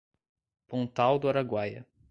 Pontal do Araguaia